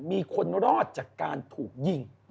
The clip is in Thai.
มีคนรอดจากการถูกยิง